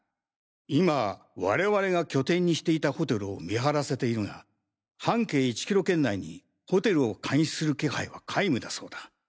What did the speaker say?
今我々が拠点にしていたホテルを見張らせているが半径１キロ圏内にホテルを監視する気配は皆無だそうだ。